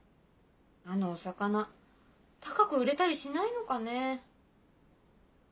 あのお魚高く売れたりしないのかね？